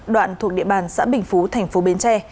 đoạn thuộc địa bàn xã bình phú thành phố bến tre